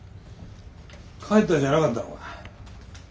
帰ったんじゃなかったのか？